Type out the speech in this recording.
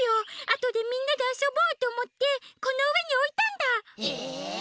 あとでみんなであそぼうとおもってこのうえにおいたんだ！え！？